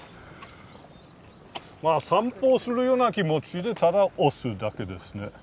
散歩をするような気持ちでただ押すだけですね。